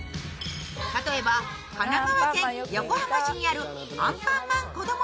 例えば、神奈川県横浜市にあるアンパンマンこども